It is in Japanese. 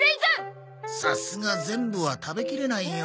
さすが全部は食べきれないよ。